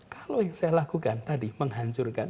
kalau yang saya lakukan tadi menghancurkan